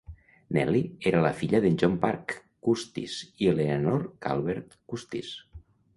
Nelly era la filla de John Parke Custis i Eleanor Calvert Custis.